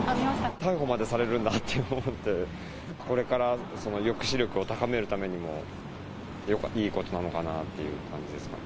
逮捕までされるんだって思って、これから抑止力を高めるためにも、いいことなのかなという感じですかね。